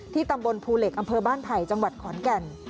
ตำบลภูเหล็กอำเภอบ้านไผ่จังหวัดขอนแก่น